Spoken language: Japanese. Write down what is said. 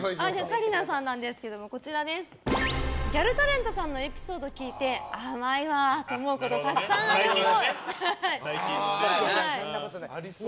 紗理奈さんですがギャルタレントさんのエピソード聞いて甘いわと思うことたくさんあるっぽい。